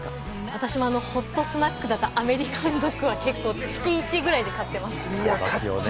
私もホットスナックが好きで、アメリカンドッグは月１ぐらいで買ってます。